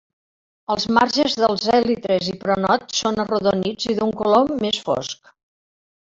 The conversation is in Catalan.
Els marges dels èlitres i pronot són arrodonits i d'un color més fosc.